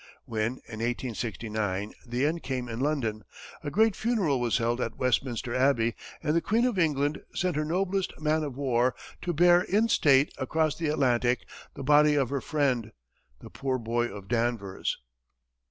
When, in 1869 the end came in London, a great funeral was held at Westminster Abbey, and the Queen of England sent her noblest man of war to bear in state across the Atlantic the body of "her friend," the poor boy of Danvers.